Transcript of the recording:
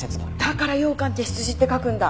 だから羊羹って羊って書くんだ。